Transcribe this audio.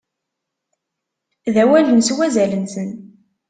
D awalen s wazal-nsen.